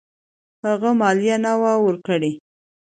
هغه مالیه نه وه ورکړې.